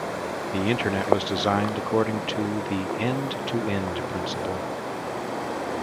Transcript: The Internet was designed according to the end-to-end principle.